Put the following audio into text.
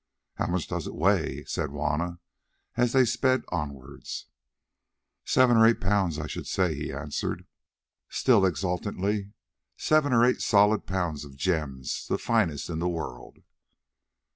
"How much does it weigh?" said Juanna, as they sped onwards. "Some seven or eight pounds, I should say," he answered, still exultantly. "Seven or eight solid pounds of gems, the finest in the world."